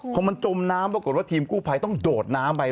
พอมันจมน้ำปรากฏว่าทีมกู้ภัยต้องโดดน้ำไป